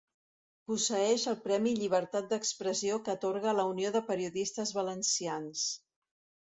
Posseeix el Premi Llibertat d'Expressió que atorga la Unió de Periodistes Valencians.